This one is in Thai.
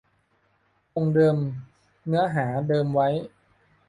คงเดิมเนื้อหาเดิมไว้